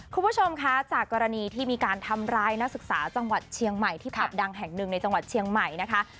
คุณผู้ชมคะจากกรณีที่มีการทำร้ายนักศึกษาจังหวัดเชียงใหม่ที่ผับดังแห่งหนึ่งในจังหวัดเชียงใหม่นะคะ